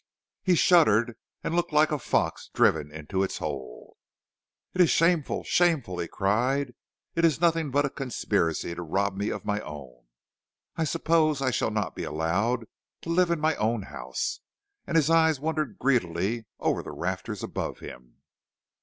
He shuddered and looked like a fox driven into his hole. "It is shameful, shameful!" he cried. "It is nothing but a conspiracy to rob me of my own. I suppose I shall not be allowed to live in my own house." And his eyes wandered greedily over the rafters above him.